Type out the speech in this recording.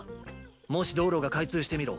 もし道路が開通してみろ。